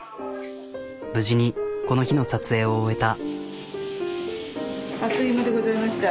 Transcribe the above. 無事にこの日の撮影を終えた。